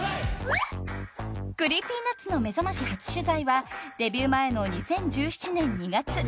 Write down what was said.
［ＣｒｅｅｐｙＮｕｔｓの『めざまし』初取材はデビュー前の２０１７年２月］